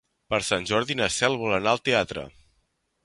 Per Sant Jordi na Cel vol anar al teatre.